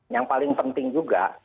yang paling penting juga